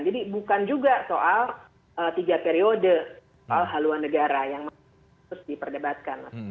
jadi bukan juga soal tiga periode soal haluan negara yang harus diperdebatkan